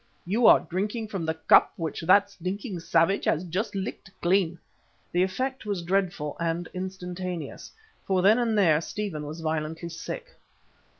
You are drinking from the cup which that stinking savage has just licked clean." The effect was dreadful and instantaneous, for then and there Stephen was violently sick.